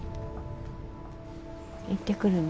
行ってくるね。